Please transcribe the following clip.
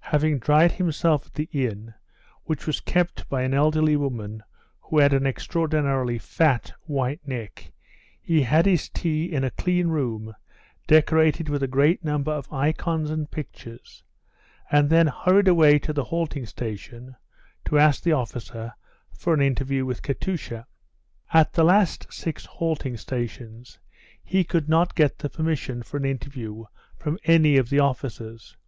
Having dried himself at the inn, which was kept by an elderly woman who had an extraordinarily fat, white neck, he had his tea in a clean room decorated with a great number of icons and pictures and then hurried away to the halting station to ask the officer for an interview with Katusha. At the last six halting stations he could not get the permission for an interview from any of the officers.